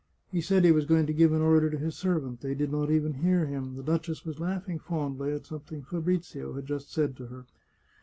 He said he was going to give an order to his servant. They did not even hear him; the duchess was laughing fondly at something Fabrizio had just said to her.